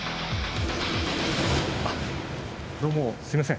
あっどうもすいません。